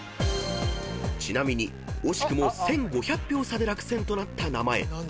［ちなみに惜しくも１，５００票差で落選となった名前木さん分かりますか？